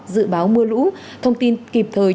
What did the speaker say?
dự báo mưa lũ thông tin kịp thời